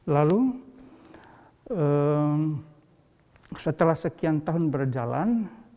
lalu setelah sekian tahun berjalan